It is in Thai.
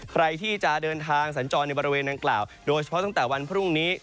ใครที่จะเดินทางสัญจรในบริเวณดังกล่าวโดยเฉพาะตั้งแต่วันพรุ่งนี้